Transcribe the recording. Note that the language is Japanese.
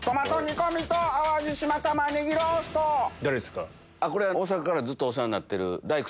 誰ですか？